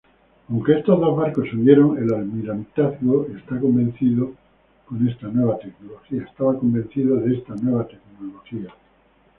Aunque estos dos barcos se hundieron, el Almirantazgo estaba convencido con esta nueva tecnología.